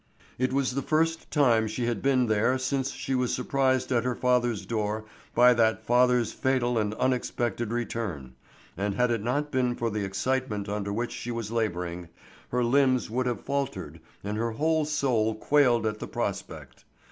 It was the first time she had been there since she was surprised at her father's door by that father's fatal and unexpected return; and had it not been for the excitement under which she was laboring, her limbs would have faltered and her whole soul quailed at the prospect.